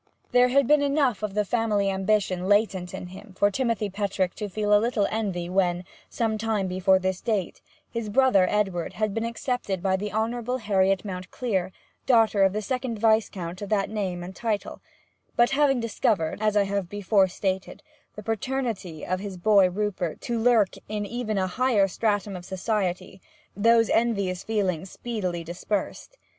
There had been enough of the family ambition latent in him for Timothy Petrick to feel a little envy when, some time before this date, his brother Edward had been accepted by the Honourable Harriet Mountclere, daughter of the second Viscount of that name and title; but having discovered, as I have before stated, the paternity of his boy Rupert to lurk in even a higher stratum of society, those envious feelings speedily dispersed.